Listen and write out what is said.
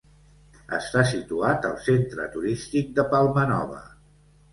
Està situat al centre turístic de Palmanova.